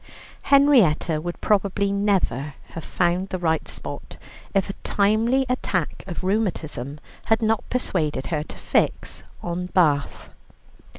Henrietta would probably never have found the right spot, if a timely attack of rheumatism had not persuaded her to fix on Bath.